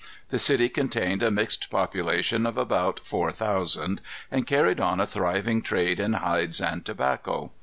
The city contained a mixed population of about four thousand, and carried on a thriving trade in hides and tobacco.